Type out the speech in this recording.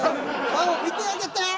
顔見てあげて。